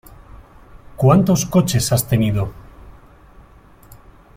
¿Cuántos coches has tenido?